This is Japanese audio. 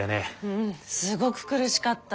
うんすごく苦しかった。